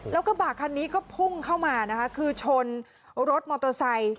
แล้วกระบะคันนี้ก็พุ่งเข้ามานะคะคือชนรถมอเตอร์ไซค์